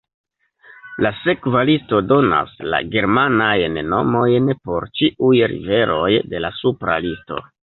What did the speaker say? La sekva listo donas la germanajn nomojn por ĉiuj riveroj de la supra listo.